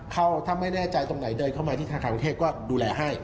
เขาถ้าไม่แน่ใจตรงไหนเดินเข้ามาที่ทางคาวิทยาลัยเทศก็ดูแลให้